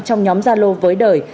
trong nhóm zalo với đời